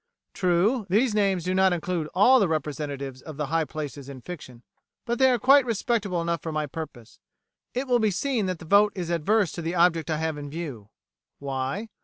True, these names do not include all representatives of the high places in Fiction, but they are quite respectable enough for my purpose. It will be seen that the vote is adverse to the object I have in view. Why?